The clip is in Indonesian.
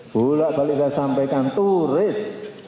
bula balik dah sampaikan turis